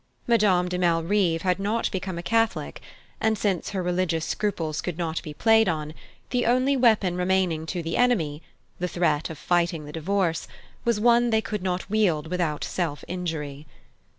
Madame de Malrive had not become a Catholic, and since her religious scruples could not be played on, the only weapon remaining to the enemy the threat of fighting the divorce was one they could not wield without self injury.